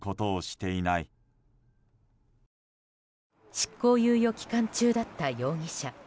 執行猶予期間中だった容疑者。